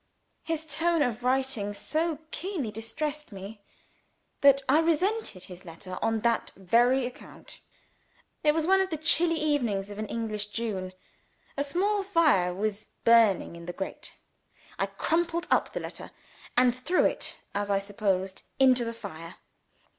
His tone of writing so keenly distressed me that I resented his letter on that very account. It was one of the chilly evenings of an English June. A small fire was burning in the grate. I crumpled up the letter, and threw it, as I supposed, into the fire.